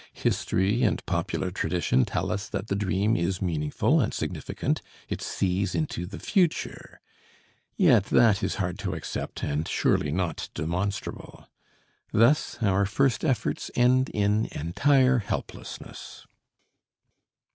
History and popular tradition tell us that the dream is meaningful and significant; it sees into the future. Yet that is hard to accept and surely not demonstrable. Thus our first efforts end in entire helplessness.